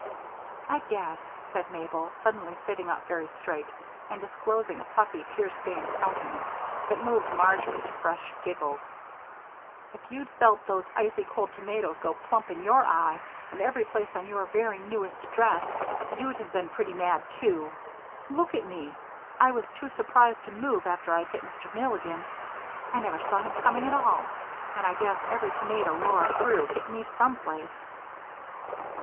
"I guess," said Mabel, suddenly sitting up very straight and disclosing a puffy, tear stained countenance that moved Marjory to fresh giggles, "if you'd felt those icy cold tomatoes go plump in your eye and every place on your very newest dress, you'd have been pretty mad, too. Look at me! I was too surprised to move after I'd hit Mr. Milligan I never saw him coming at all and I guess every tomato Laura threw hit me some place."